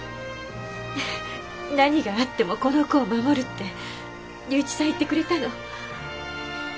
何があってもこの子を守るって龍一さん言ってくれたの。